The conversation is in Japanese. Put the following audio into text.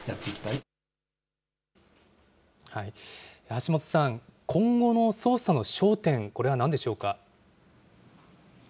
橋本さん、今後の捜査の焦点、これはなんでしょうか。